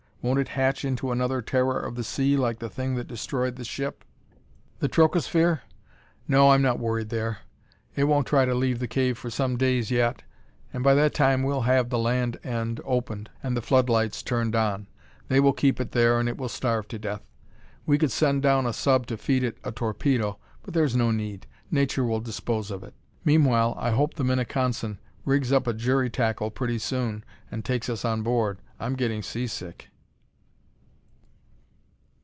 Won't it hatch into another terror of the sea like the thing that destroyed the ship?" "The trochosphere? No, I'm not worried there. It won't try to leave the cave for some days yet, and by that time we'll have the land end opened and the floodlights turned on. They will keep it there and it will starve to death. We could send down a sub to feed it a torpedo, but there's no need. Nature will dispose of it. Meanwhile, I hope the Minneconsin rigs up a jury tackle pretty soon and takes us on board. I'm getting seasick."